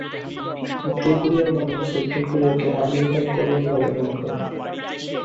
উত্তর কোরিয়ার মানুষ, দক্ষিণ কোরিয়াকে আমেরিকান কলোনি বলে মনে করে।